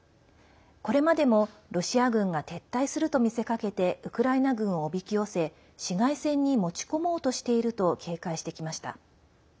これまでもロシア軍が撤退すると見せかけてウクライナ軍をおびき寄せ市街戦に持ち込もうとしていると警戒してきました。